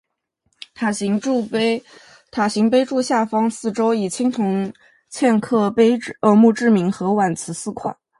塔形碑柱下方四周以紫铜嵌刻墓志铭和挽词四块。